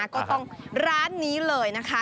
ก็ต้องร้านนี้เลยนะคะ